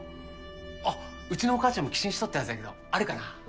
あっうちのお母ちゃんも寄進しとったはずやけどあるかな？